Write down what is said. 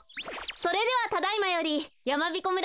それではただいまよりやまびこ村